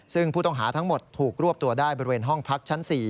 ซึ่งผู้ต้องหาทั้งหมดถูกรวบตัวได้บริเวณห้องพักชั้น๔